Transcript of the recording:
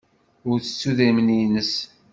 Ur tettu idrimen-nnes.